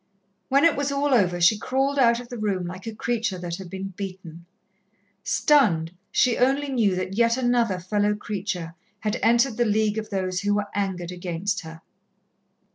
When it was all over, she crawled out of the room like a creature that had been beaten. Stunned, she only knew that yet another fellow creature had entered the league of those who were angered against her.